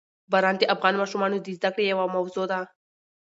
باران د افغان ماشومانو د زده کړې یوه موضوع ده.